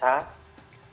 iya tetap ramai